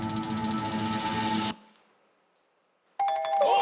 お！